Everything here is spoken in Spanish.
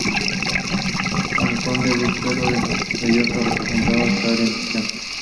Participó de la campaña comandada por Balcarce contra la Liga del Interior.